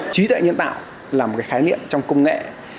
trí tuệ nhân tạo là một cái khái niệm trong công nghệ